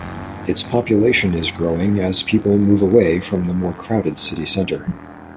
Its population is growing as people move away from the more crowded city center.